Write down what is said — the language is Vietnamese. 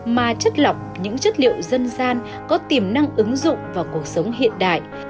mà chất lọc những chất liệu dân gian có tiềm năng ứng dụng vào cuộc sống hiện đại